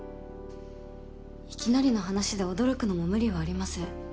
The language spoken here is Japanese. いきなりの話で驚くのも無理はありません。